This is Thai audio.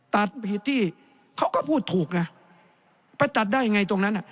ตัดที่เขาก็พูดถูกนะไปตัดได้ไงตรงนั้น